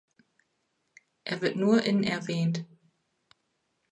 Er wird nur in erwähnt.